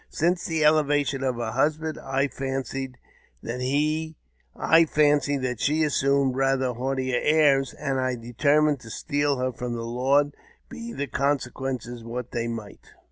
Since the elevation of her husband, I fancied that she assumed rather haughtier airs ; and I determined to steal her from her lord, be the consequences what they might.